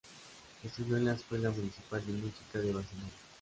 Estudió en la Escuela Municipal de Música de Barcelona.